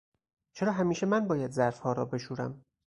چرا همیشه من باید ظرفها را بشورم؟